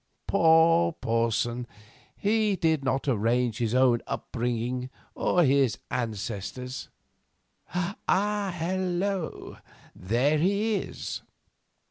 Poor Porson, he did not arrange his own up bringing or his ancestors. Hello! there he is.